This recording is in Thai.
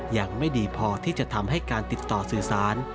ยังไม่ดีพอที่จะทำให้การติดต่อสื่อสาร